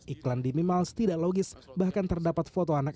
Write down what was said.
apakah pimpinan di depan programnya akan berjalan dengan baik